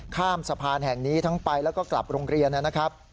ข้ามสะพานแห่งนี้ทั้งไปแล้วก็กลับโรงเรียนนะครับ